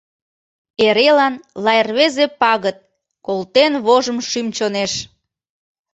Эрелан лай рвезе пагыт Колтен вожым шӱм-чонеш.